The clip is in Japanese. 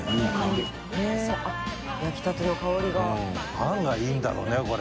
パンがいいんだろうねこれ。